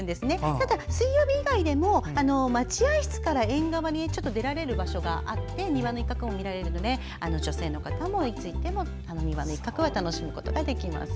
ただ、水曜日以外でも待合室から縁側に出られる場所があって庭の一角を見られるので女性の方も、いつ行っても楽しむことができます。